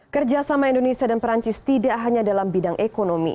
kerjasama indonesia dan perancis tidak hanya dalam bidang ekonomi